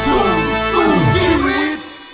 ทุกคนสวัสดีทุกคน